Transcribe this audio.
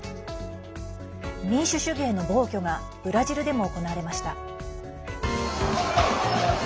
民主主義への暴挙がブラジルでも行われました。